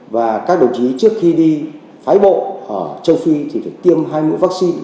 và các đồng chí trước khi đi phái bộ ở châu phi thì phải tiêm hai mũi vaccine